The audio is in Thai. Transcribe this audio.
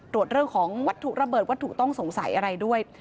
เรื่องของวัตถุระเบิดวัตถุต้องสงสัยอะไรด้วย